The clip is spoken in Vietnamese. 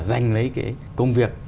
dành lấy cái công việc